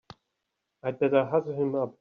I'd better hustle him up!